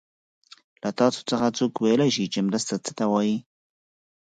له تاسو څخه څوک ویلای شي چې مرسته څه ته وايي؟